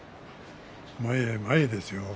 前へ前へですよ